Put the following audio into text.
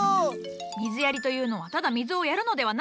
水やりというのはただ水をやるのではない。